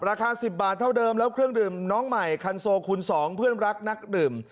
ราคา๑๐บาทเท่าเดิมแล้วเครื่องดื่มน้องใหม่คันโซคูณ๒เพื่อนรักนักดื่ม